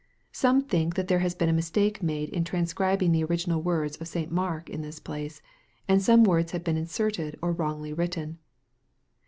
Some think that there has been a mistake made in transcribing the original words of St. Mark in this place, and some words have been inserted or wrongly written.